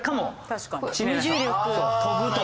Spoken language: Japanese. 確かに。